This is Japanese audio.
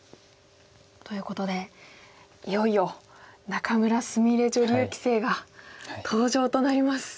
ということでいよいよ仲邑菫女流棋聖が登場となります。